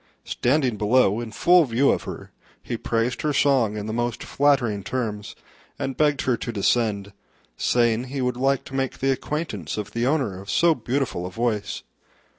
Standing below in full view of her, he praised her song in the most flattering terms, and begged her to descend, saying he would like to make the acquaintance of the owner of so beautiful a voice.